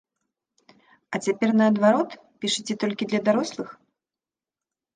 А цяпер, наадварот, пішаце толькі для дарослых?